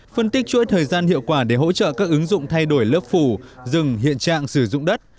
phân tích chuỗi thời gian hiệu quả để hỗ trợ các ứng dụng thay đổi lớp phủ dừng hiện trạng sử dụng đất